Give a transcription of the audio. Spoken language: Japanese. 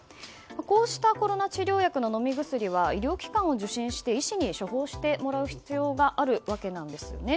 こうしたコロナ治療薬の飲み薬は医療機関を受診して医師に処方してもらう必要があるわけです。